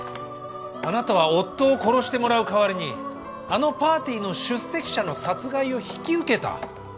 あなたは夫を殺してもらう代わりにあのパーティーの出席者の殺害を引き受けた。